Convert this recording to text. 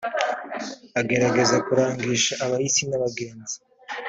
agerageza kurangisha abahise n’abagenzi